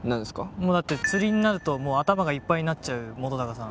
もうだって釣りになると頭がいっぱいになっちゃう本さん。